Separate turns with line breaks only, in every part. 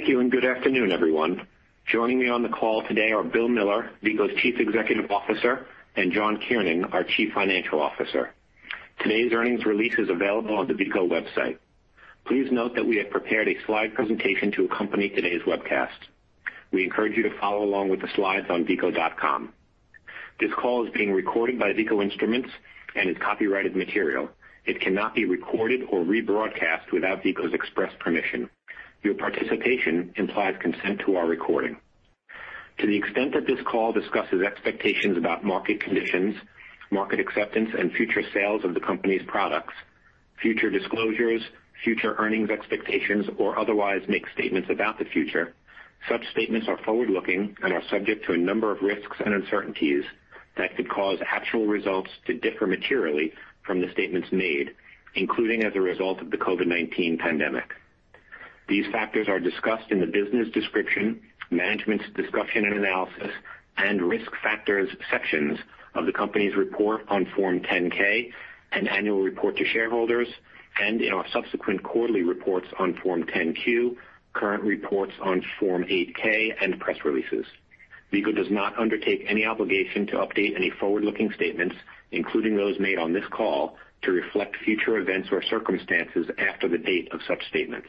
Thank you, and good afternoon, everyone. Joining me on the call today are Bill Miller, Veeco's Chief Executive Officer, and John Kiernan, our Chief Financial Officer. Today's earnings release is available on the Veeco website. Please note that we have prepared a slide presentation to accompany today's webcast. We encourage you to follow along with the slides on veeco.com. This call is being recorded by Veeco Instruments and is copyrighted material. It cannot be recorded or rebroadcast without Veeco's express permission. Your participation implies consent to our recording. To the extent that this call discusses expectations about market conditions, market acceptance, and future sales of the company's products, future disclosures, future earnings expectations, or otherwise makes statements about the future, such statements are forward-looking and are subject to a number of risks and uncertainties that could cause actual results to differ materially from the statements made, including as a result of the COVID-19 pandemic. These factors are discussed in the Business Description, Management's Discussion and Analysis, and Risk Factors sections of the company's report on Form 10-K, and Annual Report to Shareholders, and in our subsequent quarterly reports on Form 10-Q, current reports on Form 8-K, and press releases. Veeco does not undertake any obligation to update any forward-looking statements, including those made on this call, to reflect future events or circumstances after the date of such statements.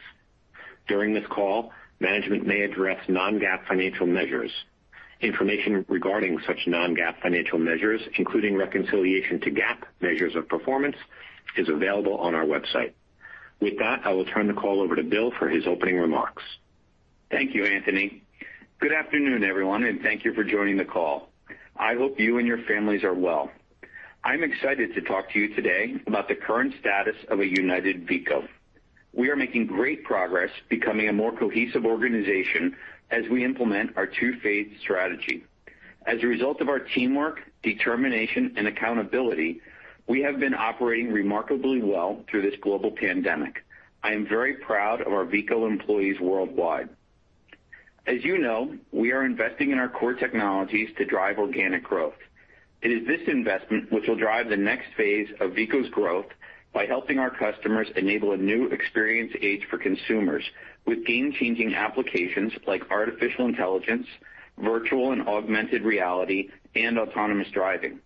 During this call, management may address non-GAAP financial measures. Information regarding such non-GAAP financial measures, including reconciliation to GAAP measures of performance, is available on our website. With that, I will turn the call over to Bill for his opening remarks.
Thank you, Anthony. Good afternoon, everyone, and thank you for joining the call. I hope you and your families are well. I'm excited to talk to you today about the current status of a united Veeco. We are making great progress becoming a more cohesive organization as we implement our two-phase strategy. As a result of our teamwork, determination, and accountability, we have been operating remarkably well through this global pandemic. I am very proud of our Veeco employees worldwide. As you know, we are investing in our core technologies to drive organic growth. It is this investment which will drive the next phase of Veeco's growth by helping our customers enable a new experience age for consumers with game-changing applications like artificial intelligence, virtual and augmented reality, and autonomous driving.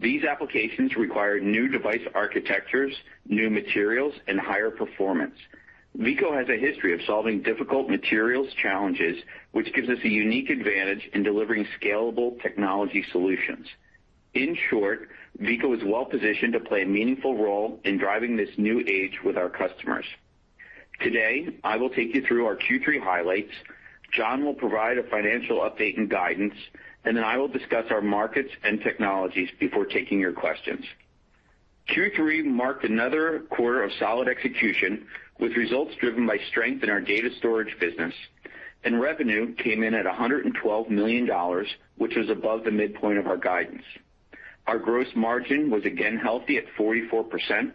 These applications require new device architectures, new materials, and higher performance. Veeco has a history of solving difficult materials challenges, which gives us a unique advantage in delivering scalable technology solutions. In short, Veeco is well positioned to play a meaningful role in driving this new age with our customers. Today, I will take you through our Q3 highlights. John will provide a financial update and guidance. Then I will discuss our markets and technologies before taking your questions. Q3 marked another quarter of solid execution with results driven by strength in our data storage business. Revenue came in at $112 million, which was above the midpoint of our guidance. Our gross margin was again healthy at 44%.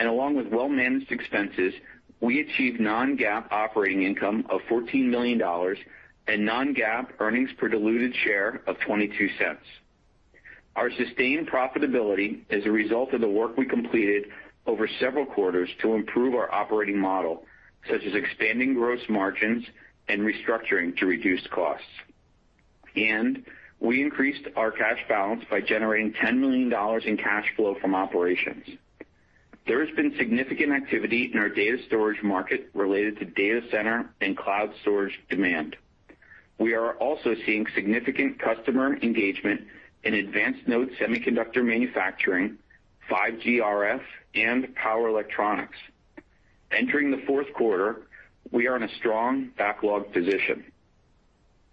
Along with well-managed expenses, we achieved non-GAAP operating income of $14 million and non-GAAP earnings per diluted share of $0.22. Our sustained profitability is a result of the work we completed over several quarters to improve our operating model, such as expanding gross margins and restructuring to reduce costs. We increased our cash balance by generating $10 million in cash flow from operations. There has been significant activity in our data storage market related to data center and cloud storage demand. We are also seeing significant customer engagement in advanced node semiconductor manufacturing, 5G RF, and power electronics. Entering the fourth quarter, we are in a strong backlog position.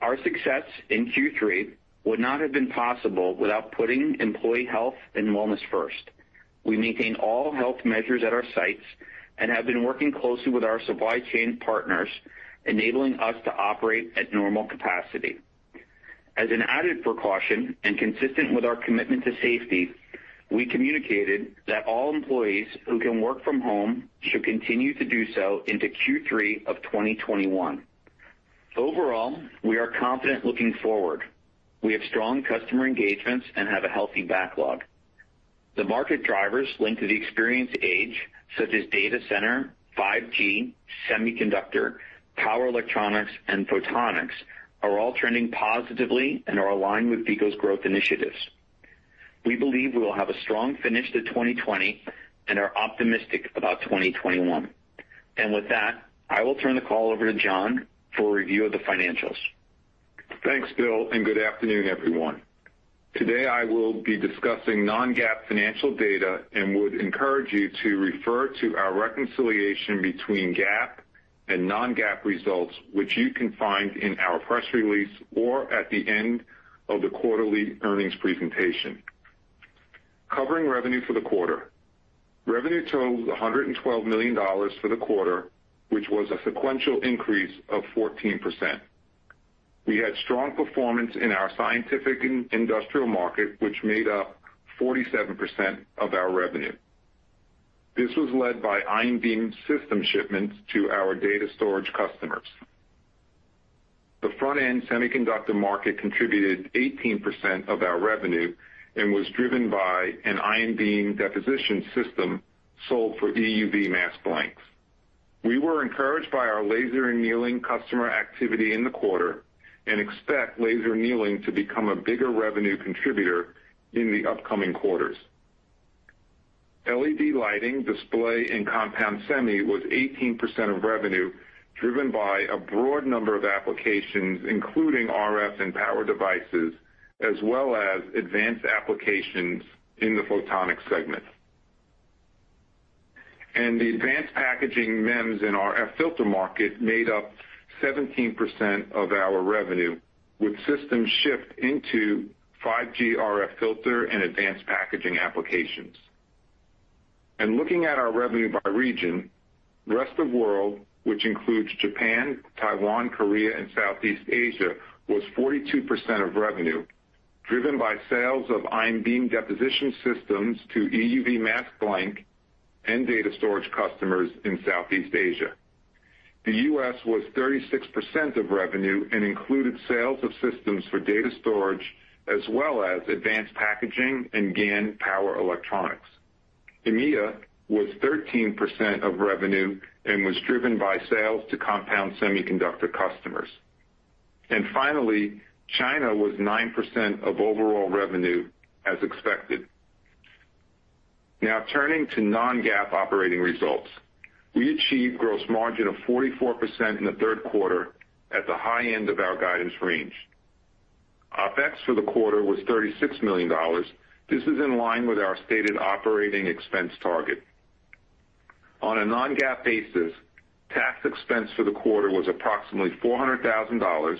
Our success in Q3 would not have been possible without putting employee health and wellness first. We maintain all health measures at our sites and have been working closely with our supply chain partners, enabling us to operate at normal capacity. As an added precaution and consistent with our commitment to safety, we communicated that all employees who can work from home should continue to do so into Q3 of 2021. Overall, we are confident looking forward. We have strong customer engagements and have a healthy backlog. The market drivers linked to the experience age, such as data center, 5G, semiconductor, power electronics, and photonics, are all trending positively and are aligned with Veeco's growth initiatives. We believe we will have a strong finish to 2020 and are optimistic about 2021. With that, I will turn the call over to John for a review of the financials.
Thanks, Bill. Good afternoon, everyone. Today, I will be discussing non-GAAP financial data and would encourage you to refer to our reconciliation between GAAP and non-GAAP results, which you can find in our press release or at the end of the quarterly earnings presentation. Covering revenue for the quarter. Revenue totaled $112 million for the quarter, which was a sequential increase of 14%. We had strong performance in our scientific and industrial market, which made up 47% of our revenue. This was led by ion beam system shipments to our data storage customers. The front-end semiconductor market contributed 18% of our revenue and was driven by an ion beam deposition system sold for EUV mask blanks. We were encouraged by our laser annealing customer activity in the quarter and expect laser annealing to become a bigger revenue contributor in the upcoming quarters. LED lighting, display, and compound semi was 18% of revenue, driven by a broad number of applications, including RF and power devices, as well as advanced applications in the photonics segment. The advanced packaging MEMS and RF filter market made up 17% of our revenue, with systems shipped into 5G RF filter and advanced packaging applications. Looking at our revenue by region, rest of world, which includes Japan, Taiwan, Korea, and Southeast Asia, was 42% of revenue, driven by sales of ion beam deposition systems to EUV mask blank and data storage customers in Southeast Asia. The U.S. was 36% of revenue and included sales of systems for data storage as well as advanced packaging and GaN power electronics. EMEA was 13% of revenue and was driven by sales to compound semiconductor customers. Finally, China was 9% of overall revenue as expected. Now turning to non-GAAP operating results. We achieved gross margin of 44% in the third quarter at the high end of our guidance range. OPEX for the quarter was $36 million. This is in line with our stated operating expense target. On a non-GAAP basis, tax expense for the quarter was approximately $400,000,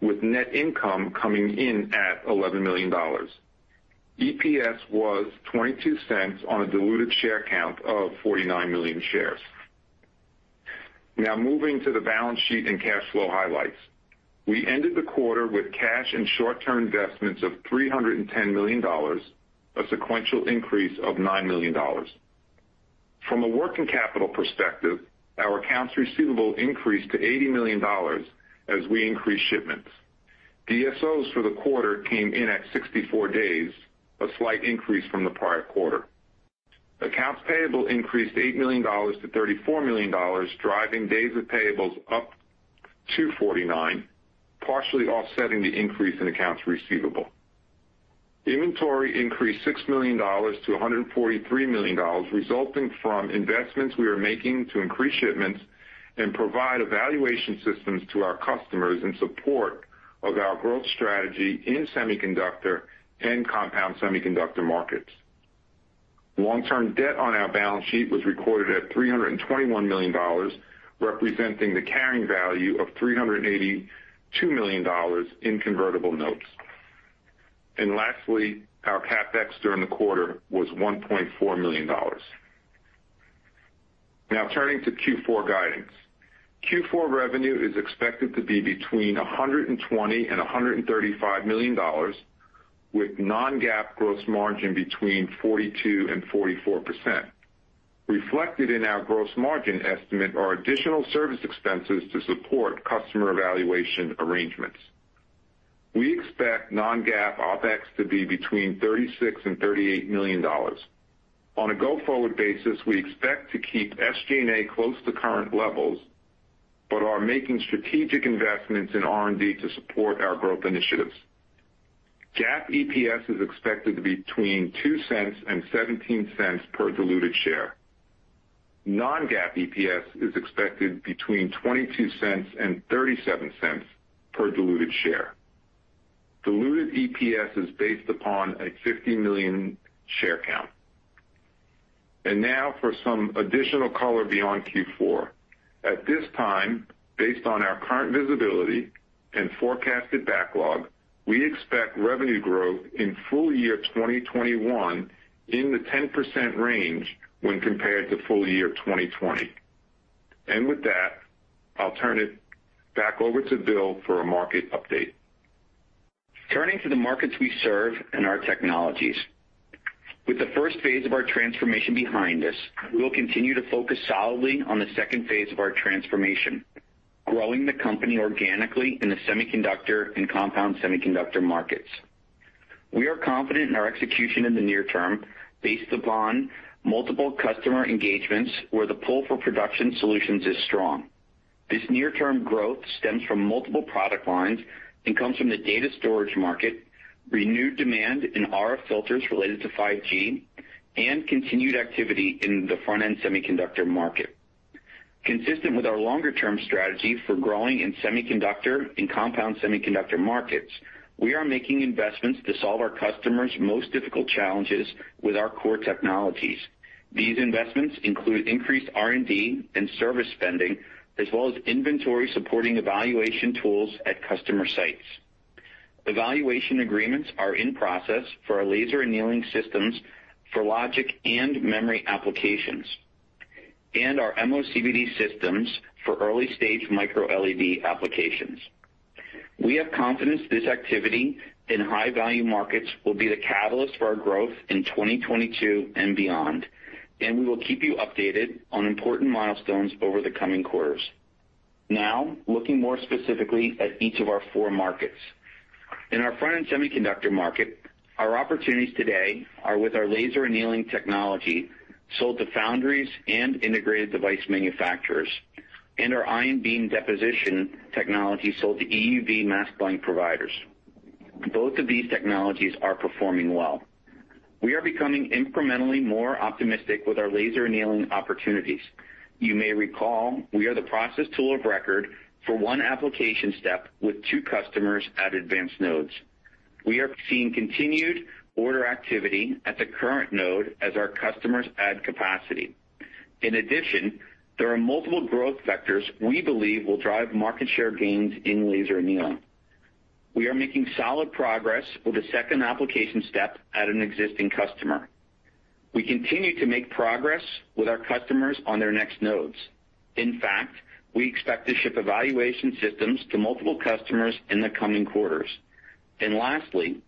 with net income coming in at $11 million. EPS was $0.22 on a diluted share count of 49 million shares. Now moving to the balance sheet and cash flow highlights. We ended the quarter with cash and short-term investments of $310 million, a sequential increase of $9 million. From a working capital perspective, our accounts receivable increased to $80 million as we increased shipments. DSOs for the quarter came in at 64 days, a slight increase from the prior quarter. Accounts payable increased $8 million to $34 million, driving days of payables up to 49, partially offsetting the increase in accounts receivable. Inventory increased $6 million to $143 million, resulting from investments we are making to increase shipments and provide evaluation systems to our customers in support of our growth strategy in semiconductor and compound semiconductor markets. Long-term debt on our balance sheet was recorded at $321 million, representing the carrying value of $382 million in convertible notes. Lastly, our CapEx during the quarter was $1.4 million. Now turning to Q4 guidance. Q4 revenue is expected to be between $120 million and $135 million, with non-GAAP gross margin between 42%-44%. Reflected in our gross margin estimate are additional service expenses to support customer evaluation arrangements. We expect non-GAAP OPEX to be between $36 million and $38 million. On a go-forward basis, we expect to keep SG&A close to current levels, but are making strategic investments in R&D to support our growth initiatives. GAAP EPS is expected to be between $0.02 and $0.17 per diluted share. Non-GAAP EPS is expected between $0.22 and $0.37 per diluted share. Diluted EPS is based upon a 50 million share count. Now for some additional color beyond Q4. At this time, based on our current visibility and forecasted backlog, we expect revenue growth in full year 2021 in the 10% range when compared to full year 2020. With that, I'll turn it back over to Bill for a market update.
Turning to the markets we serve and our technologies. With the first phase of our transformation behind us, we will continue to focus solidly on the second phase of our transformation, growing the company organically in the semiconductor and compound semiconductor markets. We are confident in our execution in the near term based upon multiple customer engagements where the pull for production solutions is strong. This near-term growth stems from multiple product lines and comes from the data storage market, renewed demand in RF filters related to 5G, and continued activity in the front-end semiconductor market. Consistent with our longer-term strategy for growing in semiconductor and compound semiconductor markets, we are making investments to solve our customers' most difficult challenges with our core technologies. These investments include increased R&D and service spending, as well as inventory supporting evaluation tools at customer sites. Evaluation agreements are in process for our laser annealing systems for logic and memory applications, and our MOCVD systems for early-stage micro-LED applications. We have confidence this activity in high-value markets will be the catalyst for our growth in 2022 and beyond, and we will keep you updated on important milestones over the coming quarters. Looking more specifically at each of our four markets. In our front-end semiconductor market, our opportunities today are with our laser annealing technology sold to foundries and integrated device manufacturers, and our ion beam deposition technology sold to EUV mask blank providers. Both of these technologies are performing well. We are becoming incrementally more optimistic with our laser annealing opportunities. You may recall, we are the process tool of record for one application step with two customers at advanced nodes. We are seeing continued order activity at the current node as our customers add capacity. There are multiple growth vectors we believe will drive market share gains in laser annealing. We are making solid progress with the second application step at an existing customer. We continue to make progress with our customers on their next nodes. In fact, we expect to ship evaluation systems to multiple customers in the coming quarters. Lastly,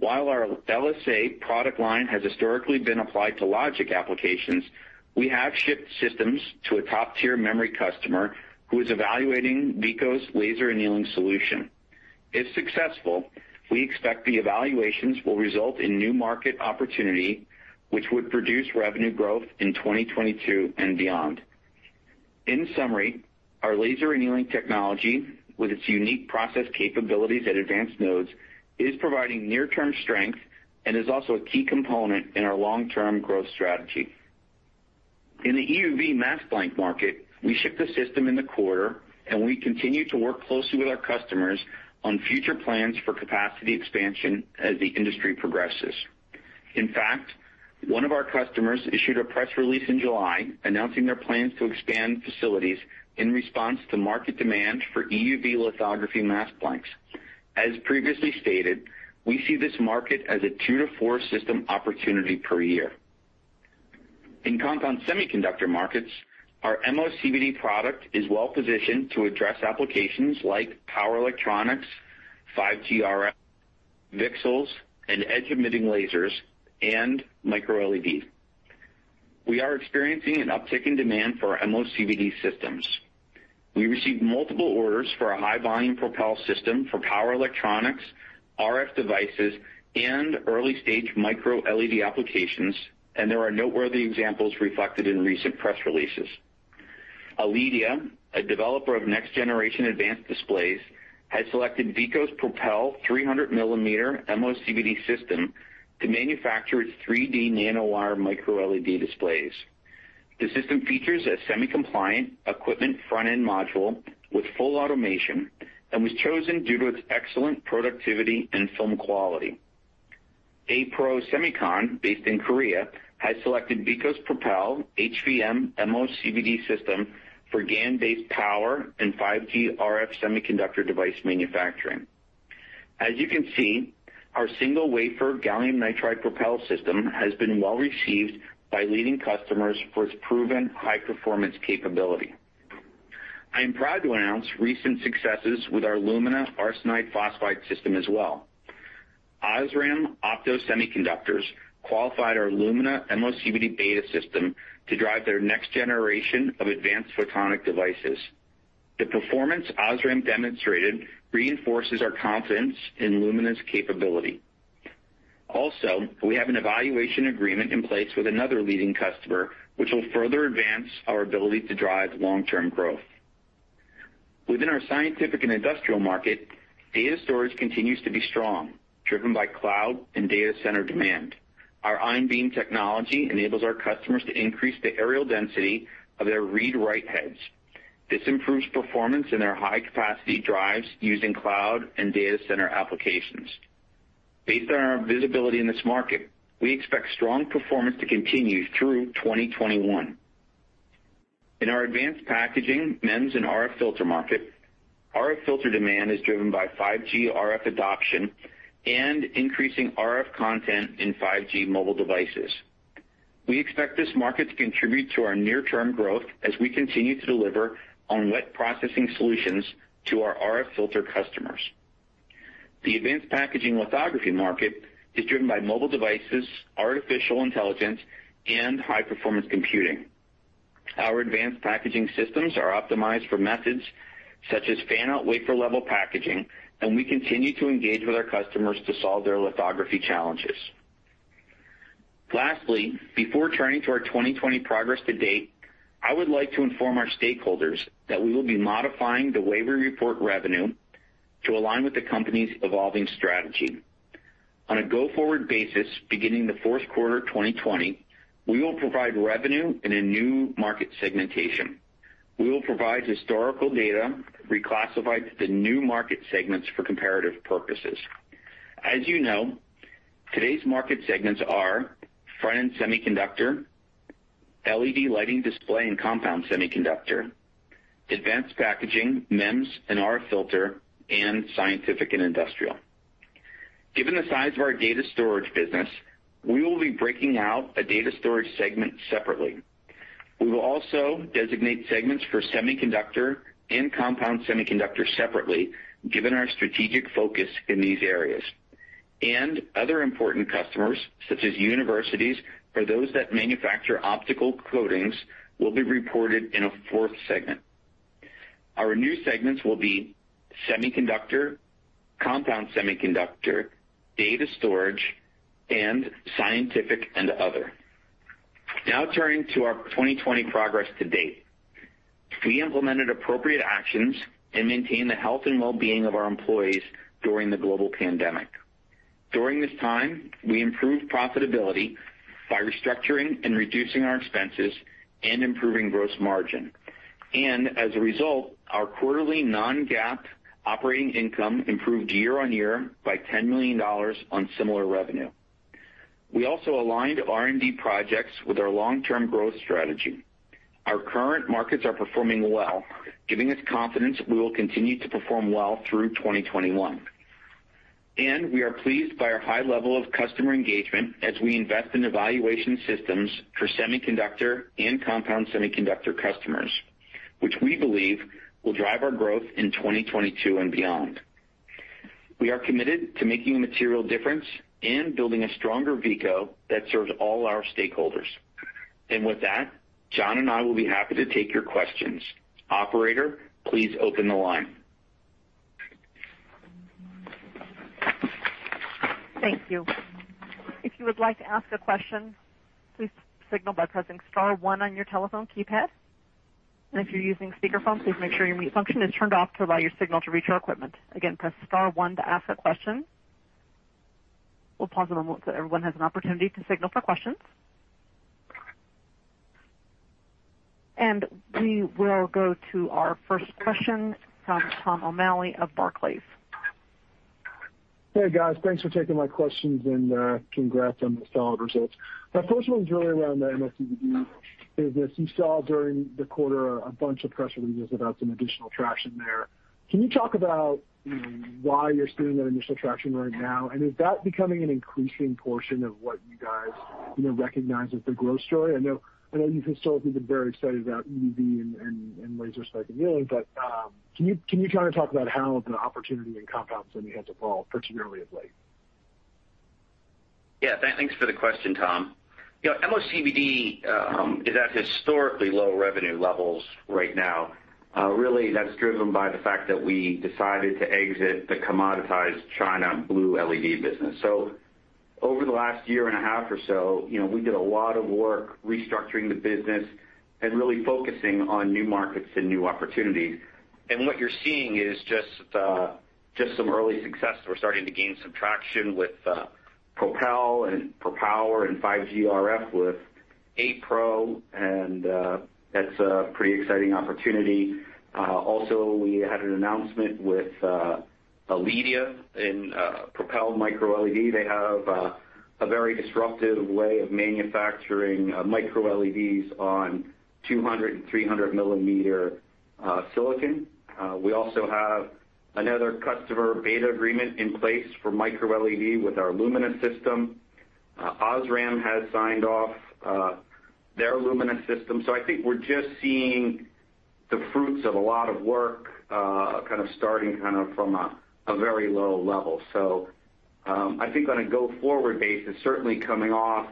while our LSA product line has historically been applied to logic applications, we have shipped systems to a top-tier memory customer who is evaluating Veeco's laser annealing solution. If successful, we expect the evaluations will result in new market opportunity, which would produce revenue growth in 2022 and beyond. In summary, our laser annealing technology, with its unique process capabilities at advanced nodes, is providing near-term strength and is also a key component in our long-term growth strategy. In the EUV mask blank market, we shipped a system in the quarter, and we continue to work closely with our customers on future plans for capacity expansion as the industry progresses. In fact, one of our customers issued a press release in July announcing their plans to expand facilities in response to market demand for EUV lithography mask blanks. As previously stated, we see this market as a two to four system opportunity per year. In compound semiconductor markets, our MOCVD product is well-positioned to address applications like power electronics, 5G RF, VCSELs, and edge-emitting lasers, and micro-LED. We are experiencing an uptick in demand for our MOCVD systems. We received multiple orders for our high-volume Propel system for power electronics, RF devices, and early-stage micro-LED applications, and there are noteworthy examples reflected in recent press releases. Aledia, a developer of next-generation advanced displays, has selected Veeco's Propel 300-millimeter MOCVD system to manufacture its 3D nanowire micro-LED displays. The system features a SEMI-compliant equipment front-end module with full automation and was chosen due to its excellent productivity and film quality. A-Pro Semicon, based in Korea, has selected Veeco's Propel HVM MOCVD system for GaN-based power and 5G RF semiconductor device manufacturing. As you can see, our single-wafer gallium nitride Propel system has been well-received by leading customers for its proven high-performance capability. I am proud to announce recent successes with our Lumina arsenide phosphide system as well. OSRAM Opto Semiconductors qualified our Lumina MOCVD beta system to drive their next generation of advanced photonic devices. The performance OSRAM demonstrated reinforces our confidence in Lumina's capability. We have an evaluation agreement in place with another leading customer, which will further advance our ability to drive long-term growth. Within our scientific and industrial market, data storage continues to be strong, driven by cloud and data center demand. Our ion beam technology enables our customers to increase the areal density of their read/write heads. This improves performance in their high-capacity drives using cloud and data center applications. Based on our visibility in this market, we expect strong performance to continue through 2021. In our advanced packaging, MEMS, and RF filter market, RF filter demand is driven by 5G RF adoption and increasing RF content in 5G mobile devices. We expect this market to contribute to our near-term growth as we continue to deliver on wet processing solutions to our RF filter customers. The advanced packaging lithography market is driven by mobile devices, artificial intelligence, and high-performance computing. Our advanced packaging systems are optimized for methods such as fan-out wafer-level packaging. We continue to engage with our customers to solve their lithography challenges. Lastly, before turning to our 2020 progress to date, I would like to inform our stakeholders that we will be modifying the way we report revenue to align with the company's evolving strategy. On a go-forward basis, beginning the fourth quarter 2020, we will provide revenue in a new market segmentation. We will provide historical data reclassified to the new market segments for comparative purposes. As you know, today's market segments are front-end semiconductor, LED lighting display and compound semiconductor, advanced packaging, MEMS, and RF filter, and scientific and industrial. Given the size of our data storage business, we will be breaking out a data storage segment separately. We will also designate segments for semiconductor and compound semiconductor separately, given our strategic focus in these areas. Other important customers, such as universities or those that manufacture optical coatings, will be reported in a fourth segment. Our new segments will be semiconductor, compound semiconductor, data storage, and scientific and other. Turning to our 2020 progress to date. We implemented appropriate actions and maintained the health and wellbeing of our employees during the global pandemic. During this time, we improved profitability by restructuring and reducing our expenses and improving gross margin. As a result, our quarterly non-GAAP operating income improved year-over-year by $10 million on similar revenue. We also aligned R&D projects with our long-term growth strategy. Our current markets are performing well, giving us confidence we will continue to perform well through 2021. We are pleased by our high level of customer engagement as we invest in evaluation systems for semiconductor and compound semiconductor customers, which we believe will drive our growth in 2022 and beyond. We are committed to making a material difference and building a stronger Veeco that serves all our stakeholders. With that, John and I will be happy to take your questions. Operator, please open the line.
Thank you. If you would like to ask a question, please signal by pressing star one on your telephone keypad. If you're using speakerphone, please make sure your mute function is turned off to allow your signal to reach our equipment. Again, press star one to ask a question. We'll pause a moment so everyone has an opportunity to signal for questions. We will go to our first question from Tom O'Malley of Barclays.
Hey, guys. Thanks for taking my questions and congrats on the solid results. My first one's really around the MOCVD business. You saw during the quarter a bunch of press releases about some additional traction there. Can you talk about why you're seeing that initial traction right now, and is that becoming an increasing portion of what you guys recognize as the growth story? I know you've historically been very excited about EUV and laser annealing, but can you kind of talk about how the opportunity in compounds evolved, particularly of late?
Yeah. Thanks for the question, Tom. MOCVD is at historically low revenue levels right now. That's driven by the fact that we decided to exit the commoditized China blue LED business. Over the last year and a half or so, we did a lot of work restructuring the business and really focusing on new markets and new opportunities. What you're seeing is just some early success. We're starting to gain some traction with Propel and Propel Power and 5G RF with A-Pro. That's a pretty exciting opportunity. Also, we had an announcement with Aledia in Propel micro-LED. They have a very disruptive way of manufacturing micro-LEDs on 200- and 300-millimeter silicon. We also have another customer beta agreement in place for micro-LED with our Lumina system. OSRAM has signed off their Lumina system. I think we're just seeing the fruits of a lot of work, kind of starting from a very low level. I think on a go-forward basis, certainly coming off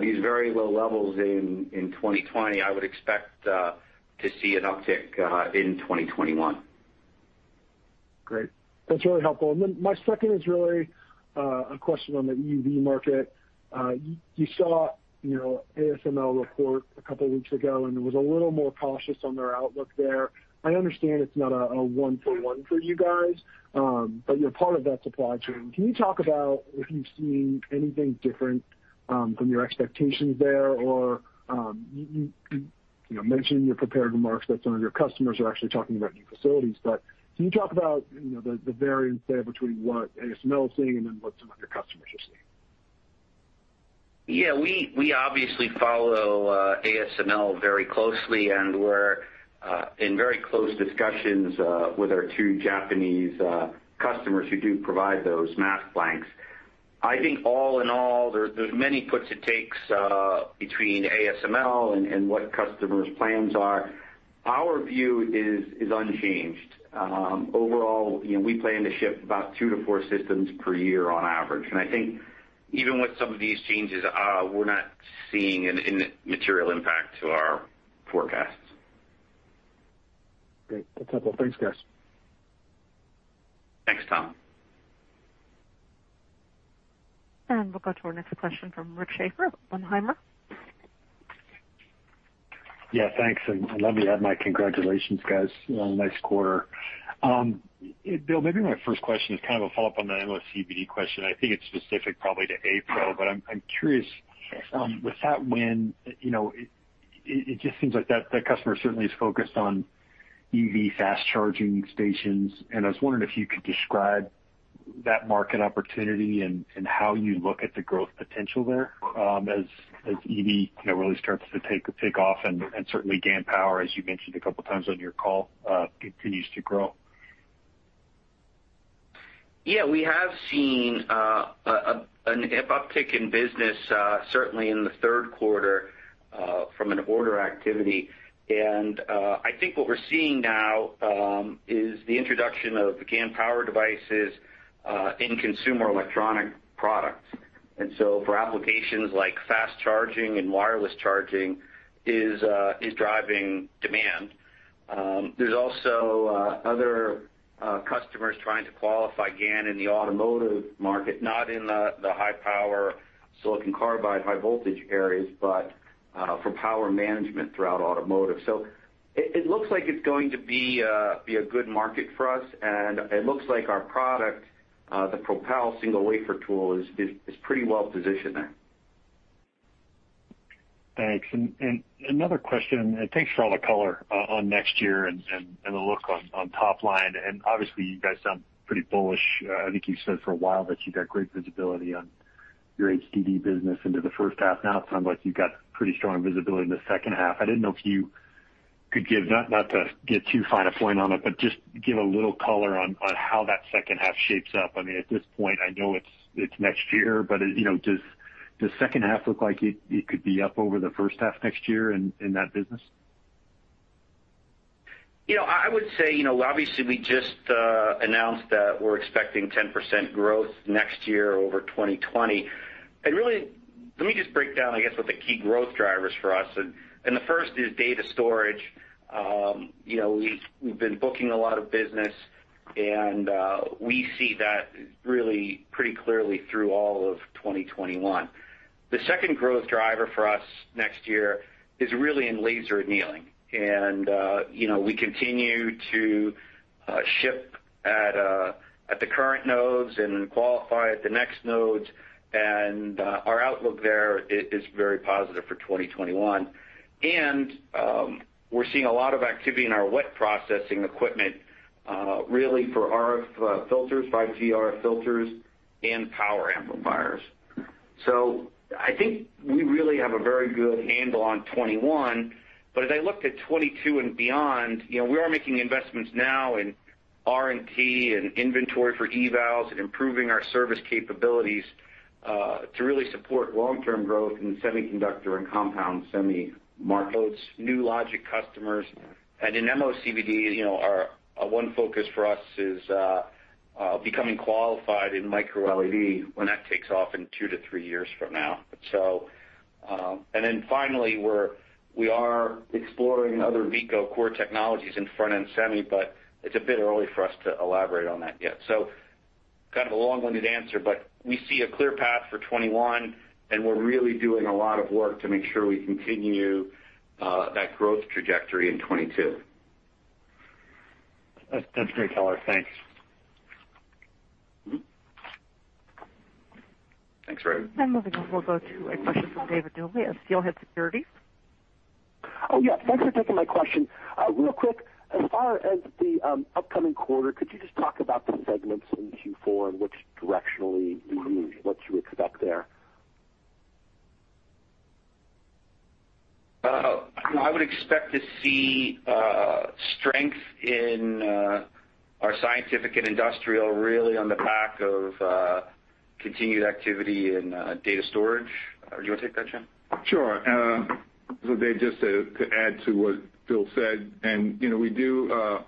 these very low levels in 2020, I would expect to see an uptick in 2021.
Great. That's really helpful. My second is really a question on the EUV market. You saw ASML report a couple of weeks ago, it was a little more cautious on their outlook there. I understand it's not a one-to-one for you guys, you're part of that supply chain. Can you talk about if you've seen anything different from your expectations there, you mentioned in your prepared remarks that some of your customers are actually talking about new facilities, can you talk about the variance there between what ASML is seeing what some of your customers are seeing?
Yeah, we obviously follow ASML very closely, and we're in very close discussions with our two Japanese customers who do provide those mask blanks. I think all in all, there's many puts and takes between ASML and what customers' plans are. Our view is unchanged. Overall, we plan to ship about two to four systems per year on average, and I think even with some of these changes, we're not seeing a material impact to our forecasts.
Great. That's helpful. Thanks, guys.
Thanks, Tom.
We'll go to our next question from Rick Schafer of Oppenheimer.
Yeah, thanks, let me add my congratulations, guys, on a nice quarter. Bill, maybe my first question is kind of a follow-up on the MOCVD question. I think it's specific probably to A-Pro, but I'm curious, with that win, it just seems like that customer certainly is focused on EV fast charging stations, and I was wondering if you could describe that market opportunity and how you look at the growth potential there as EV really starts to take off and certainly GaN power, as you mentioned a couple of times on your call, continues to grow.
Yeah, we have seen an uptick in business, certainly in the third quarter, from an order activity. I think what we're seeing now is the introduction of GaN power devices in consumer electronic products. For applications like fast charging and wireless charging, is driving demand. There's also other customers trying to qualify GaN in the automotive market, not in the high power silicon carbide high voltage areas, but for power management throughout automotive. It looks like it's going to be a good market for us, and it looks like our product, the Propel single wafer tool, is pretty well positioned there.
Thanks. Another question, thanks for all the color on next year and the look on top line. Obviously you guys sound pretty bullish. I think you've said for a while that you've got great visibility on your HDD business into the first half. Now it sounds like you've got pretty strong visibility in the second half. I didn't know if you could give, not to get too fine a point on it, but just give a little color on how that second half shapes up. I mean, at this point, I know it's next year, but does the second half look like it could be up over the first half next year in that business?
I would say, obviously we just announced that we're expecting 10% growth next year over 2020. Really, let me just break down, I guess, what the key growth drivers for us. The first is data storage. We've been booking a lot of business, and we see that really pretty clearly through all of 2021. The second growth driver for us next year is really in laser annealing. We continue to ship at the current nodes and qualify at the next nodes, and our outlook there is very positive for 2021. We're seeing a lot of activity in our wet processing equipment, really for RF filters, 5G RF filters, and power amplifiers. I think we really have a very good handle on 2021, but as I looked at 2022 and beyond, we are making investments now in R&D and inventory for evals and improving our service capabilities to really support long-term growth in semiconductor and compound semi markets, new logic customers. In MOCVD, our one focus for us is becoming qualified in micro-LED when that takes off in two to three years from now. Finally, we are exploring other Veeco core technologies in front-end semi, but it's a bit early for us to elaborate on that yet. Kind of a long-winded answer, but we see a clear path for 2021, and we're really doing a lot of work to make sure we continue that growth trajectory in 2022.
That's great color. Thanks.
Thanks.
Moving on, we'll go to a question from David Neuman, Steelhead Securities.
Oh, yeah. Thanks for taking my question. Real quick, as far as the upcoming quarter, could you just talk about the segments in Q4 and which directionally what you expect there?
I would expect to see strength in our scientific and industrial, really on the back of continued activity in data storage. Do you want to take that, John?
Sure. David, just to add to what Bill said, we do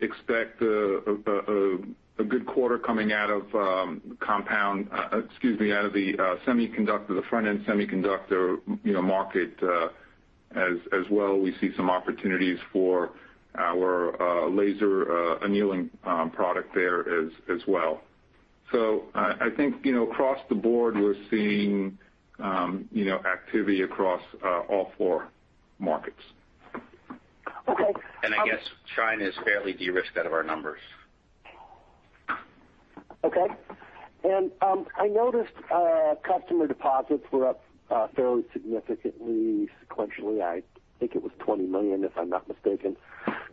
expect a good quarter coming out of the front-end semiconductor market. As well, we see some opportunities for our laser annealing product there as well. I think, across the board, we're seeing activity across all four markets.
Okay.
I guess China is fairly de-risked out of our numbers.
Okay. I noticed customer deposits were up fairly significantly sequentially. I think it was $20 million, if I'm not mistaken.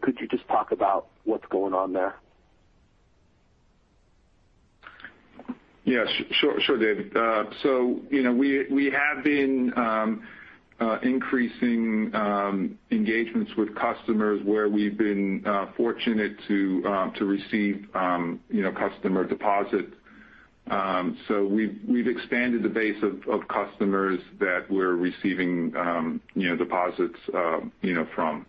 Could you just talk about what's going on there?
Yeah, sure, Dave. We have been increasing engagements with customers where we've been fortunate to receive customer deposits. We've expanded the base of customers that we're receiving deposits from.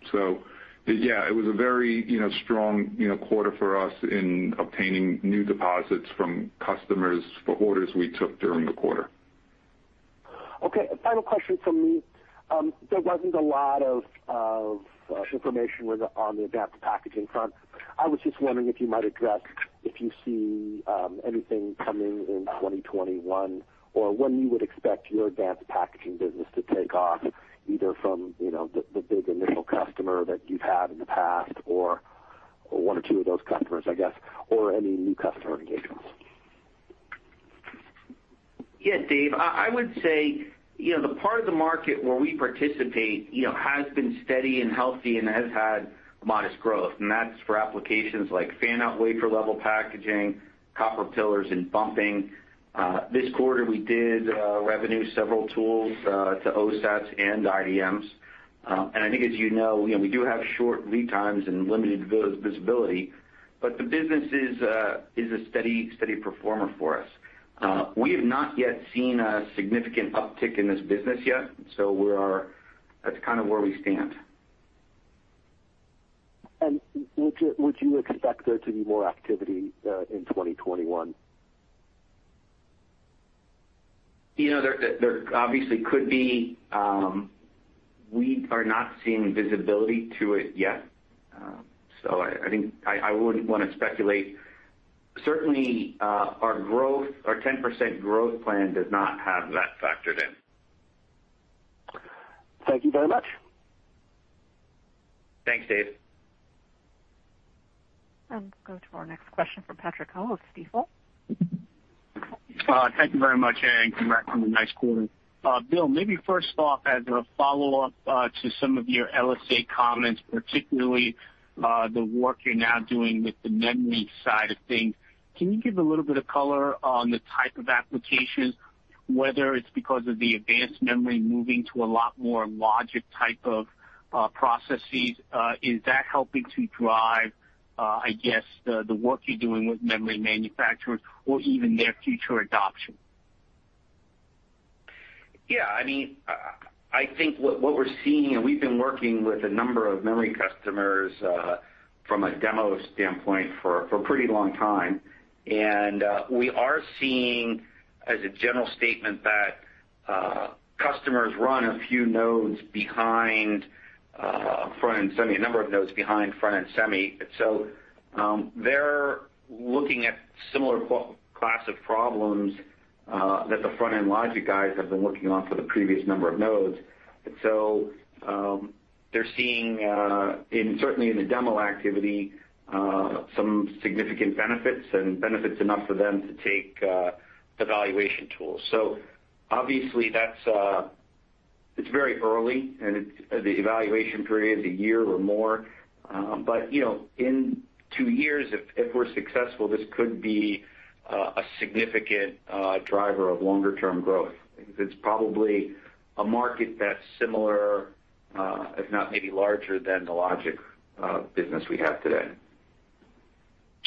Yeah, it was a very strong quarter for us in obtaining new deposits from customers for orders we took during the quarter.
A final question from me. There wasn't a lot of information on the advanced packaging front. I was just wondering if you might address if you see anything coming in 2021 or when you would expect your advanced packaging business to take off, either from the big initial customer that you've had in the past or one or two of those customers, I guess, or any new customer engagements?
Yeah, Dave. I would say, the part of the market where we participate has been steady and healthy and has had modest growth, and that's for applications like fan-out wafer-level packaging, copper pillars, and bumping. This quarter, we did revenue several tools to OSATs and IDMs. I think as you know, we do have short lead times and limited visibility. The business is a steady performer for us. We have not yet seen a significant uptick in this business yet. That's kind of where we stand.
Would you expect there to be more activity in 2021?
There obviously could be. We are not seeing visibility to it yet. I wouldn't want to speculate. Certainly, our 10% growth plan does not have that factored in.
Thank you very much.
Thanks, David.
Go to our next question from Patrick Ho of Stifel.
Thank you very much, and congrats on the nice quarter. Bill, maybe first off, as a follow-up to some of your LSA comments, particularly the work you're now doing with the memory side of things, can you give a little bit of color on the type of applications, whether it's because of the advanced memory moving to a lot more logic type of processes, is that helping to drive, I guess, the work you're doing with memory manufacturers or even their future adoption?
I think what we're seeing, we've been working with a number of memory customers, from a demo standpoint for a pretty long time. We are seeing as a general statement that customers run a number of nodes behind front-end semi. They're looking at similar class of problems, that the front-end logic guys have been working on for the previous number of nodes. They're seeing, certainly in the demo activity, some significant benefits and benefits enough for them to take the valuation tools. Obviously, it's very early, and the evaluation period is a year or more. In two years, if we're successful, this could be a significant driver of longer-term growth. I think it's probably a market that's similar, if not, maybe larger than the logic business we have today.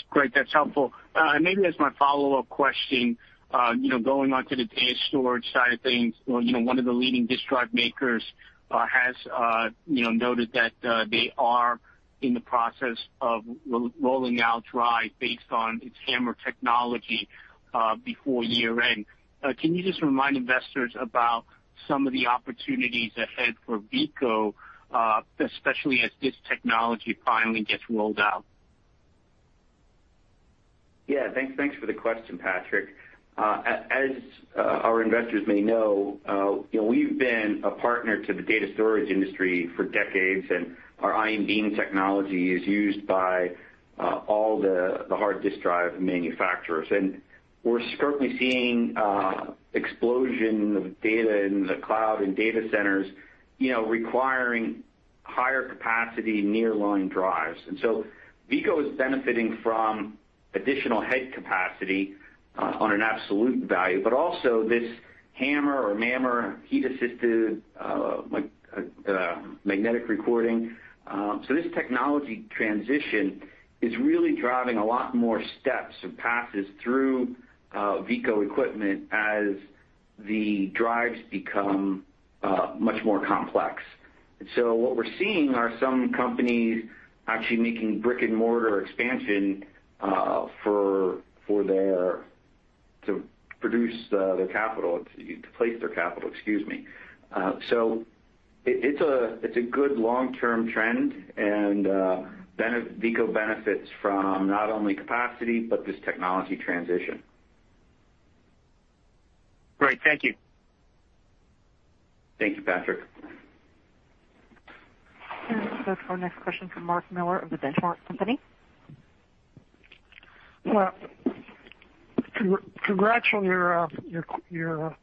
Great. That's helpful. Maybe as my follow-up question, going onto the data storage side of things, one of the leading disk drive makers has noted that they are in the process of rolling out drive based on its HAMR technology, before year-end. Can you just remind investors about some of the opportunities ahead for Veeco, especially as this technology finally gets rolled out?
Yeah. Thanks for the question, Patrick. As our investors may know, we've been a partner to the data storage industry for decades, and our ion beam technology is used by all the hard disk drive manufacturers. We're certainly seeing explosion of data in the cloud and data centers requiring higher capacity nearline drives. Veeco is benefiting from additional head capacity on an absolute value, but also this HAMR or MAMR heat-assisted magnetic recording. This technology transition is really driving a lot more steps and passes through Veeco equipment as the drives become much more complex. What we're seeing are some companies actually making brick-and-mortar expansion to place their capital. It's a good long-term trend and Veeco benefits from not only capacity, but this technology transition.
Great. Thank you.
Thank you, Patrick.
Go to our next question from Mark Miller of The Benchmark Company.
Well, congrats on your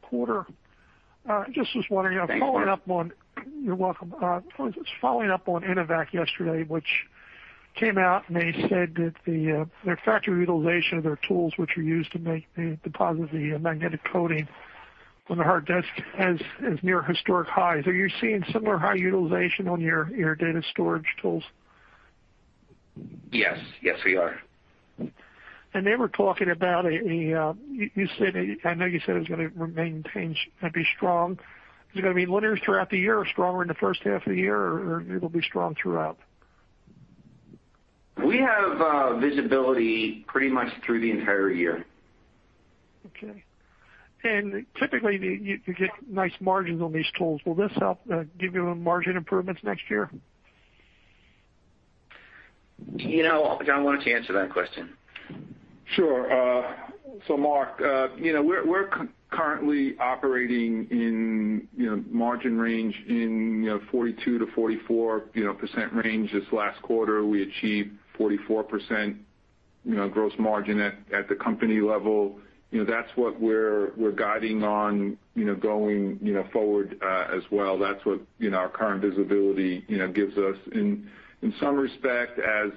quarter.
Thank you.
You're welcome. I was just following up on Intevac yesterday, which came out, and they said that their factory utilization of their tools, which are used to make the deposit of the magnetic coating on the hard disk is near historic highs. Are you seeing similar high utilization on your data storage tools?
Yes, we are.
They were talking about. I know you said it was going to be strong. Is it going to be linear throughout the year or stronger in the first half of the year, or it'll be strong throughout?
We have visibility pretty much through the entire year.
Okay. Typically, you get nice margins on these tools. Will this help give you margin improvements next year?
John, why don't you answer that question?
Sure. Mark, we're currently operating in margin range in 42%-44% range. This last quarter, we achieved 44% gross margin at the company level. That's what we're guiding on going forward as well. That's what our current visibility gives us. In some respect, as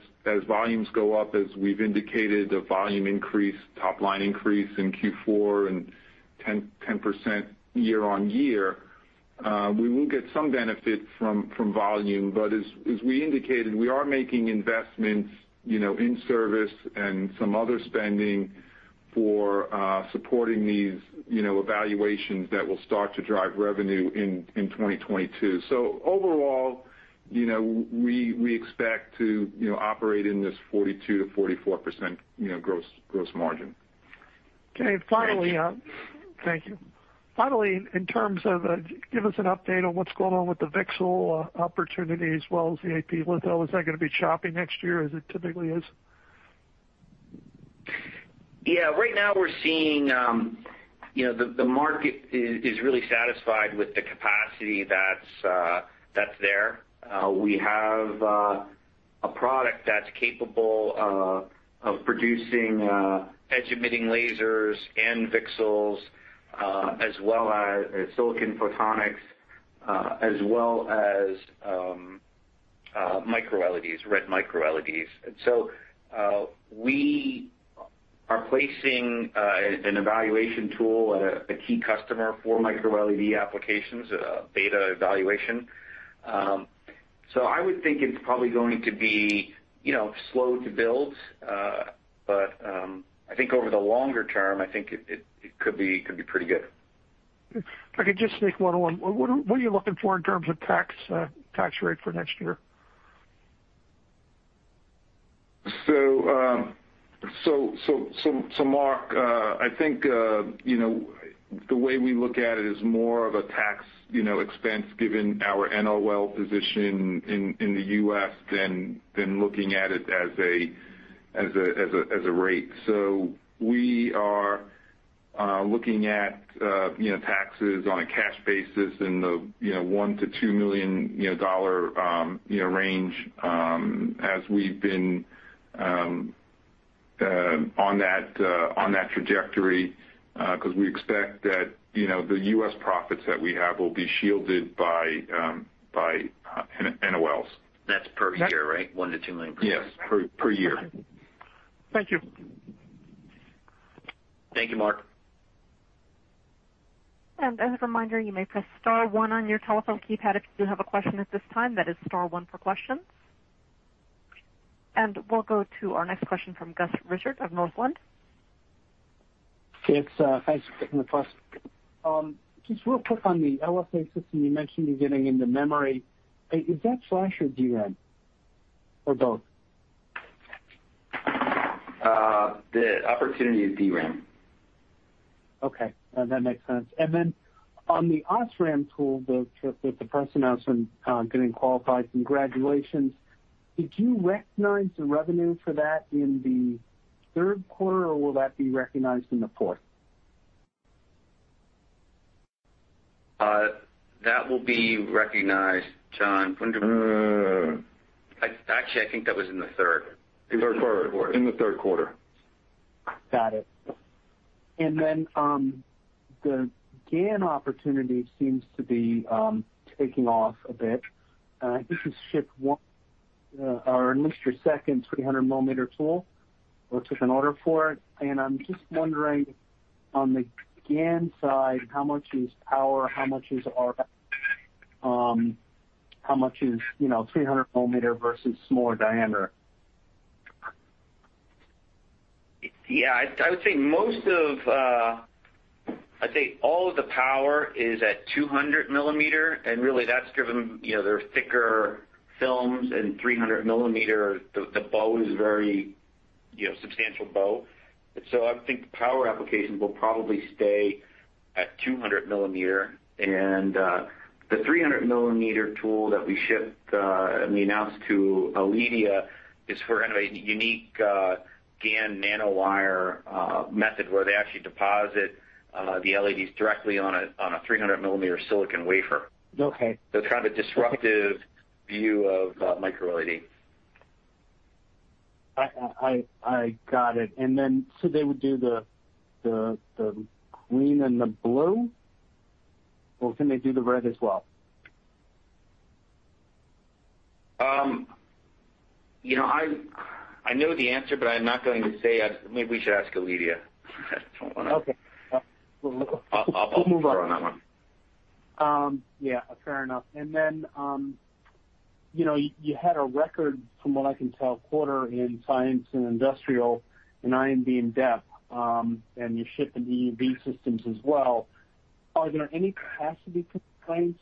volumes go up, as we've indicated, the volume increase, top-line increase in Q4 and 10% year-over-year. We will get some benefit from volume. As we indicated, we are making investments in service and some other spending for supporting these evaluations that will start to drive revenue in 2022. Overall, we expect to operate in this 42%-44% gross margin.
Okay.
Thank you.
Thank you. Finally, give us an update on what's going on with the VCSEL opportunity as well as the AP litho. Is that going to be choppy next year as it typically is?
Right now we're seeing the market is really satisfied with the capacity that's there. We have a product that's capable of producing edge-emitting lasers and VCSELs, as well as silicon photonics, as well as micro LEDs, red micro LEDs. We are placing an evaluation tool at a key customer for micro LED applications, a beta evaluation. I would think it's probably going to be slow to build. I think over the longer term, I think it could be pretty good.
If I could just sneak one in. What are you looking for in terms of tax rate for next year?
Mark, I think the way we look at it is more of a tax expense given our NOL position in the U.S. than looking at it as a rate. We are looking at taxes on a cash basis in the $1 million-$2 million range, as we've been on that trajectory, because we expect that the U.S. profits that we have will be shielded by NOLs.
That's per year, right? $1 million-$2 million per year.
Yes, per year.
Thank you.
Thank you, Mark.
As a reminder, you may press star one on your telephone keypad if you do have a question at this time. That is star one for questions. We'll go to our next question from Gus Richard of Northland.
Okay. Thanks for taking the question. Just real quick on the LSA system you mentioned you're getting into memory. Is that flash or DRAM, or both?
The opportunity is DRAM.
Okay. No, that makes sense. On the OSRAM tool, with the press announcement getting qualified, congratulations. Did you recognize the revenue for that in the third quarter, or will that be recognized in the fourth?
That will be recognized, John.
Actually, I think that was in the third.
In the third quarter.
Got it. Then the GaN opportunity seems to be taking off a bit. I think you shipped one, or at least your second 300-millimeter tool, or took an order for it. I'm just wondering on the GaN side, how much is power, how much is RF, how much is 300-millimeter versus smaller diameter?
Yeah, I would say all of the power is at 200 millimeter. Really that's driven, there are thicker films in 300 millimeter. The bow is very substantial. I would think the power applications will probably stay at 200 millimeter. The 300-millimeter tool that we shipped and we announced to Aledia is for kind of a unique GaN nanowire method where they actually deposit the LEDs directly on a 300-millimeter silicon wafer.
Okay.
Kind of a disruptive view of micro-LED.
I got it. They would do the green and the blue, or can they do the red as well?
I know the answer, but I'm not going to say it. Maybe we should ask Aledia.
Okay. We'll move on.
I'll pass on that one.
Yeah. Fair enough. You had a record, from what I can tell, quarter in science and industrial and IBD and depth, and you're shipping EUV systems as well. Are there any capacity constraints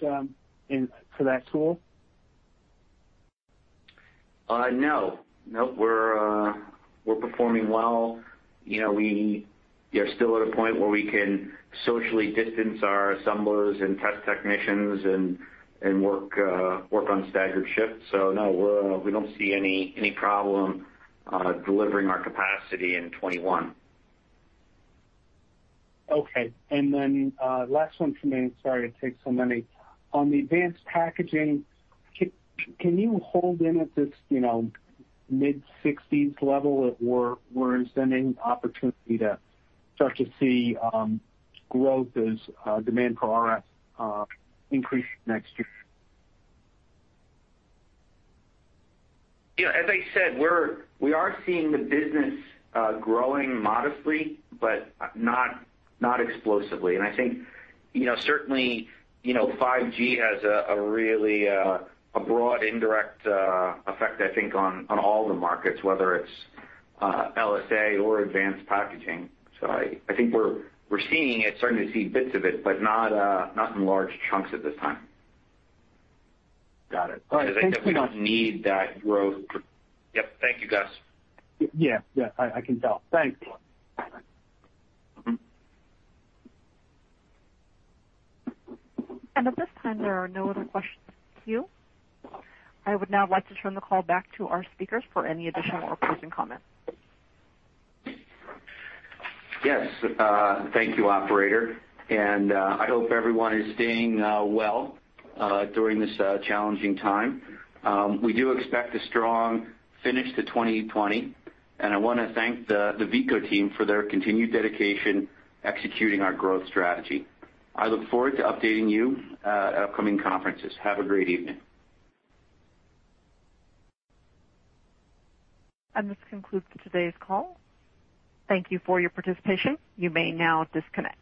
for that tool?
No. We're performing well. We are still at a point where we can socially distance our assemblers and test technicians and work on staggered shifts. No, we don't see any problem delivering our capacity in 2021.
Okay. Last one from me, sorry to take so many. On the advanced packaging, can you hold in at this mid-60s level, or is there any opportunity to start to see growth as demand for RF increases next year?
As I said, we are seeing the business growing modestly, but not explosively. I think certainly 5G has a broad indirect effect, I think, on all the markets, whether it's LSA or advanced packaging. I think we're starting to see bits of it, but not in large chunks at this time.
Got it. All right. Thank you.
I guess we don't need that growth. Yep. Thank you, Gus.
Yeah. I can tell. Thanks.
Bye.
At this time, there are no other questions queued. I would now like to turn the call back to our speakers for any additional or closing comments.
Yes. Thank you, operator. I hope everyone is staying well during this challenging time. We do expect a strong finish to 2020. I want to thank the Veeco team for their continued dedication executing our growth strategy. I look forward to updating you at upcoming conferences. Have a great evening.
This concludes today's call. Thank you for your participation. You may now disconnect.